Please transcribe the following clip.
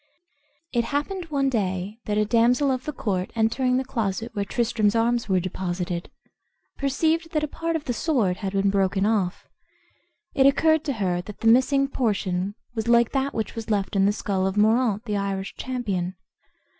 It happened one day that a damsel of the court, entering the closet where Tristram's arms were deposited, perceived that a part of the sword had been broken off. It occurred to her that the missing portion was like that which was left in the skull of Moraunt, the Irish champion.